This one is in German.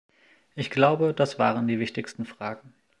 Ich glaube, das waren die wichtigsten Fragen.